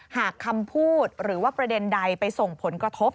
หากคำพูดหรือว่าประเด็นใดไปส่งผลกระทบ